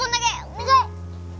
お願い！